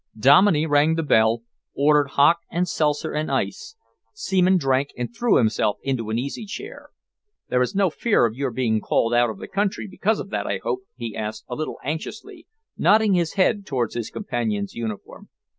Dominey rang the bell, ordered hock and seltzer and ice. Seaman drank and threw himself into an easy chair. "There is no fear of your being called out of the country because of that, I hope?" he asked a little anxiously, nodding his head towards his companion's uniform.